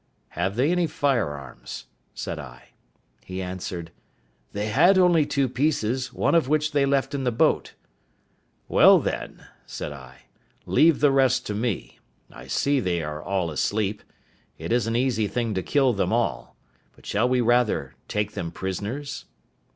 "Have they any firearms?" said I. He answered, "They had only two pieces, one of which they left in the boat." "Well, then," said I, "leave the rest to me; I see they are all asleep; it is an easy thing to kill them all; but shall we rather take them prisoners?"